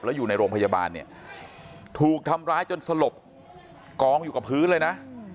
แล้วอยู่ในโรงพยาบาลเนี่ยถูกทำร้ายจนสลบกองอยู่กับพื้นเลยนะ